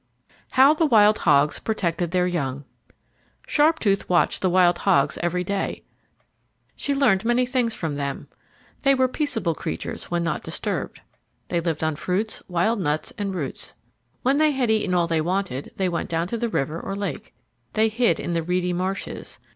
How the Wild Hogs Protected their Young Sharptooth watched the wild hogs every day. She learned many things from them. They were peaceable creatures when not disturbed. They lived on fruits, wild nuts, and roots. When they had eaten all they wanted, they went down to the river or lake. They hid in the reedy marshes.